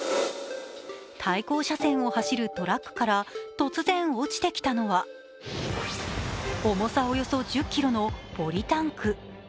対向車線を走るトラックから突然落ちてきたのは重さおよそ１０ｋｇのポリタンク。